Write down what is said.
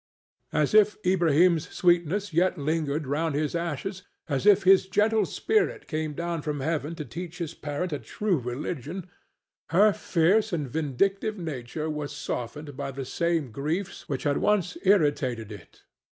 As if Ilbrahim's sweetness yet lingered round his ashes, as if his gentle spirit came down from heaven to teach his parent a true religion, her fierce and vindictive nature was softened by the same griefs which had once irritated it.